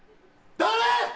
誰！